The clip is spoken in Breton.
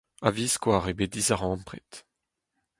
A viskoazh eo bet dizarempred.